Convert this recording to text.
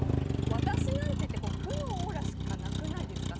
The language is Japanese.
私なんてって負のオーラしかなくないですか。